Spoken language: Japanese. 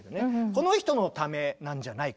この人のためなんじゃないかと。